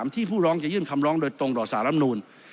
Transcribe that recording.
ที่ผู้ร้องจะยื่นคำร้องโดยตรงต่อสารำนูล